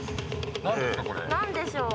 何でしょう？